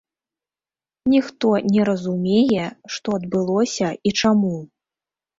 Ніхто не разумее, што адбылося і чаму.